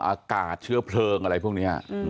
อากาศเชื้อเพลิงอะไรพวกนี้